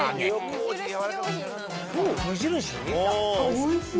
おいしい。